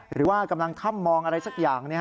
หรือว่ากำลังถ้ำมองอะไรสักอย่าง